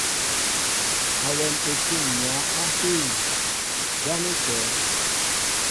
Awɛm etǔm mwǎ á hîn, ján é kɛ̌?